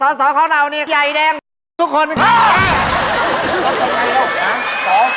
วะลงเรียนครับวะลงเรียนครับ